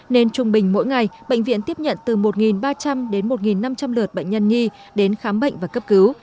nên trung bình mỗi ngày bệnh viện tiếp nhận từ một ba trăm linh đến một năm trăm linh lượt bệnh nhân nhi đến khám bệnh và cấp cứu